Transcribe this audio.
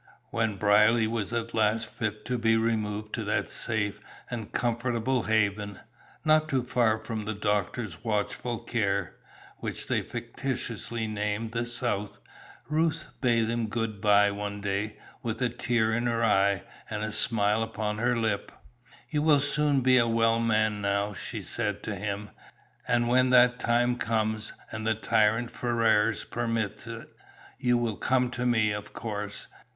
When Brierly was at last fit to be removed to that safe and comfortable haven not too far from the doctor's watchful care which they fictitiously named the South, Ruth bade him good bye one day, with a tear in her eye, and a smile upon her lip. "You will soon be a well man now," she said to him. "And when that time comes, and the tyrant Ferrars permits it, you will come to me, of course."